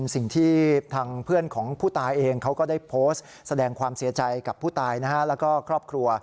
แสดงความเสียใจกับผู้ตายนะฮะแล้วก็ครอบครัว